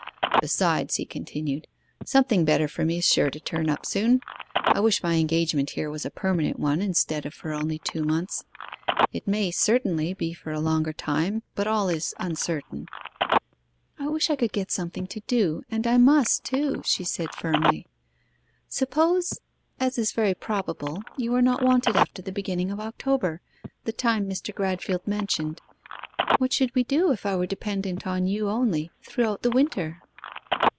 'Besides,' he continued, 'something better for me is sure to turn up soon. I wish my engagement here was a permanent one instead of for only two months. It may, certainly, be for a longer time, but all is uncertain.' 'I wish I could get something to do; and I must too,' she said firmly. 'Suppose, as is very probable, you are not wanted after the beginning of October the time Mr. Gradfield mentioned what should we do if I were dependent on you only throughout the winter?